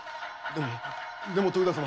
でもでも徳田様